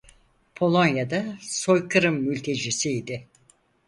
Polonya da soykırım mültecisiydi.